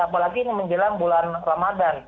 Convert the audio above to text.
apalagi ini menjelang bulan ramadan